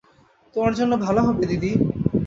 তোমার জন্য ভাল হবে, দিদি।